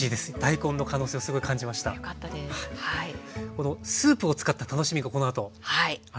このスープを使った楽しみがこのあとあるんですよね。